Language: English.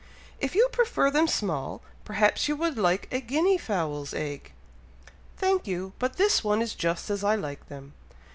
"If you prefer them small, perhaps you would like a guinea fowl's egg?" "Thank you! but this one is just as I like them."